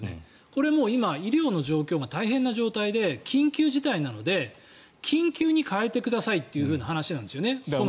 これ、医療の状態が今、大変な状態で緊急事態なので緊急に変えてくださいという話なんですよね。